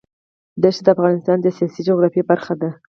دښتې د افغانستان د سیاسي جغرافیه برخه ده.